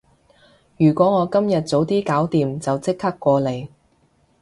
如果我今日早啲搞掂，就即刻過嚟